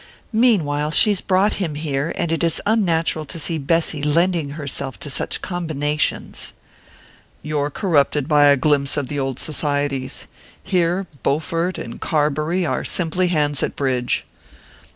"Meanwhile, she's brought him here, and it is unnatural to see Bessy lending herself to such combinations." "You're corrupted by a glimpse of the old societies. Here Bowfort and Carbury are simply hands at bridge."